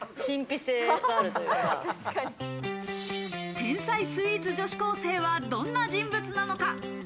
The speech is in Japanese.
天才スイーツ女子高生はどんな人物なのか。